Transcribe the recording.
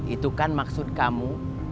itu kan maksud kamu